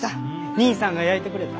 兄さんが焼いてくれた。